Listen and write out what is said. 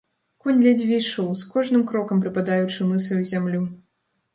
Конь ледзьве ішоў, з кожным крокам прыпадаючы мысай у зямлю.